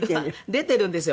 出てるんですよ。